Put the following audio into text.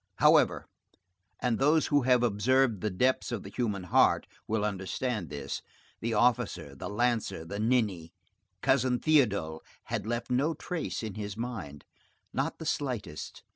However, and those who have observed the depths of the human heart will understand this, the officer, the lancer, the ninny, Cousin Théodule, had left no trace in his mind. Not the slightest.